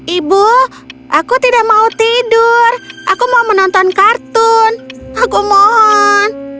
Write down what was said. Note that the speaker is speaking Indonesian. ibu aku tidak mau tidur aku mau menonton kartun aku mohon